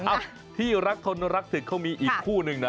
ที่รักคนรักศึกเขามีอีกคู่นึงนะ